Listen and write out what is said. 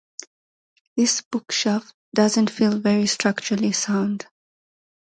This bookshelf doesn't feel very structurally sound.